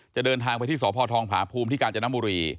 จะเดินทางไปที่สภภาพูมที่กาญจนมุรี